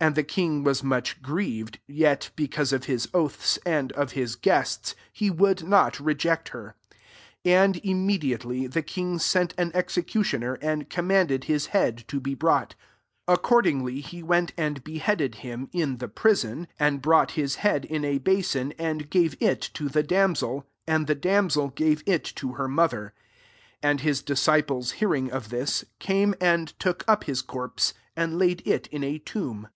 26 And the king was much grieved; yet^ because of his 3aths, and of his guests, he ifould not reject her. 27 And immediately, the king sent an sxecationer, and commanded ^ head to be brought : accord Agly, he went and beheaded him n the prison, 28 and brought !rifJiead in a basin, and gave it so Ihe damsel : and the damsel gave it to her mother. 29 And rf* disciples hearing of thia^ :ame and took up his corpse, tod laid it in a tomb.